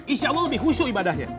insya allah lebih khusyuk ibadahnya